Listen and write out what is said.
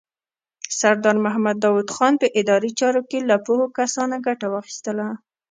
سردار محمد داود په اداري چارو کې له پوهو کسانو ګټه واخیستله.